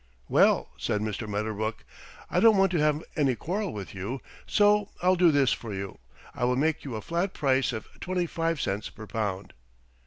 "Well," said Mr. Medderbrook, "I don't want to have any quarrel with you, so I'll do this for you: I will make you a flat price of twenty five cents per pound."